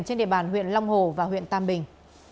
trên địa bàn huyện long hồ và huyện tam bình